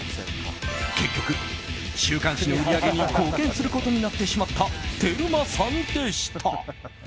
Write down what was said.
結局、週刊誌の売り上げに貢献することになってしまったテルマさんでした。